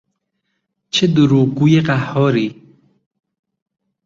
چه دروغگوی قهاری!